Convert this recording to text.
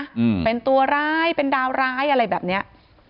อืมเป็นตัวร้ายเป็นดาวร้ายอะไรแบบเนี้ย